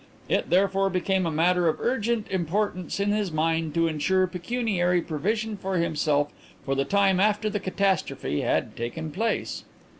It therefore became a matter of urgent importance in his mind to ensure pecuniary provision for himself for the time after the catastrophe had taken place."